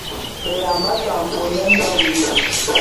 Bë Yambassa nkpoňèn le (Gunu),